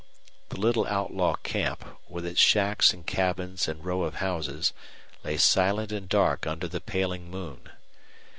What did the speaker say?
The little outlaw camp, with its shacks and cabins and row of houses, lay silent and dark under the paling moon.